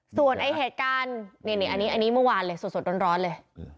ส่วนไอ้เหตุการณ์นี่อันนี้เมื่อวานเลยสดร้อนเลย